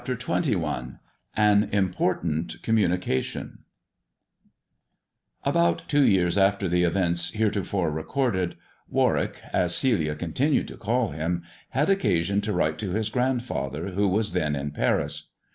^ CHAPTER XXI AN IMPORTANT COMMUNICATION ABOUT two years after the events heretofore recorded, Warwick — as Celia continued to call him — had occasion to write to his grandfather, who was then in Paris.